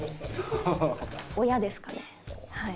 親ですかねはい。